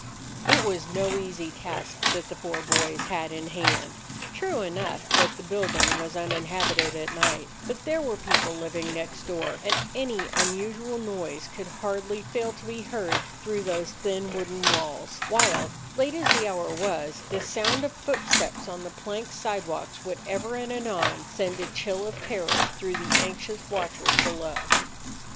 It was no easy task that the four boys had in hand. True enough that the building was uninhabited at night, but there were people living next door, and any unusual noise could hardly fail to be heard through those thin wooden walls; while, late as the hour was, the sound of footsteps on the plank side walks would ever and anon send a chill of terror through the anxious watchers below.